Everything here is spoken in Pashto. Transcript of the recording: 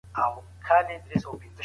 په هر وخت کي دروغ ویل کیږي.